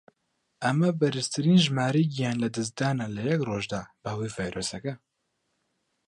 ئەمە بەرزترین ژمارەی گیان لەدەستدانە لە یەک ڕۆژدا بەهۆی ڤایرۆسەکە.